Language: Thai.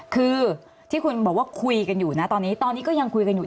คือที่คุณบอกว่าคุยกันอยู่นะตอนนี้ตอนนี้ก็ยังคุยกันอยู่